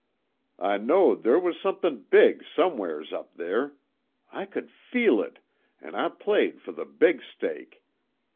I know'd there was somethin' big somewheres up there. I could feel it, an' I played for the big stake.